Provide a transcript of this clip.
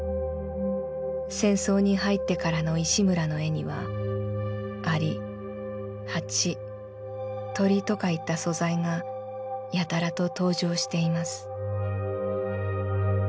戦争に入ってからの石村の絵には蟻蜂鳥とかいった素材がやたらと登場しています」。